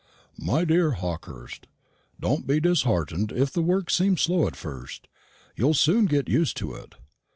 "MY DEAR HAWKEHURST, Don't be disheartened if the work seems slow at first. You'll soon get used to it.